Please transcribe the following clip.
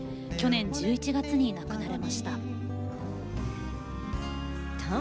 去年１１月に亡くなられました。